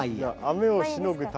雨をしのぐため？